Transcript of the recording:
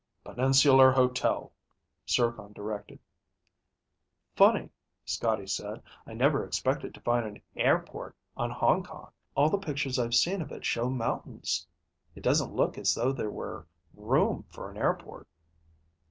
"Peninsular Hotel," Zircon directed. "Funny," Scotty said. "I never expected to find an airport on Hong Kong. All the pictures I've seen of it show mountains. It doesn't look as though there were room for an airport."